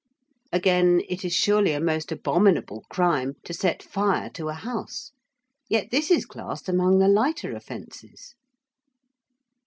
Again, it is surely a most abominable crime to set fire to a house, yet this is classed among the lighter offences.